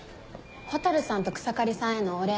蛍さんと草刈さんへのお礼。